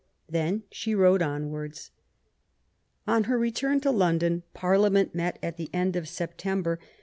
Then she rode onwards. On her return to London Parliament met at the end of September.